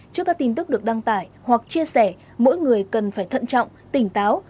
trước các tin tức được đăng tải hoặc chia sẻ mỗi người cần phải thận trọng tỉnh táo